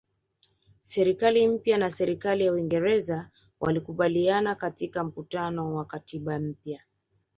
Serikali mpya na serikali ya Uingereza walikubaliana katika mkutano wa katiba mpya